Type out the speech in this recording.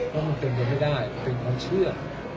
มันเป็นมันไม่ได้มันเป็นความเชื่อ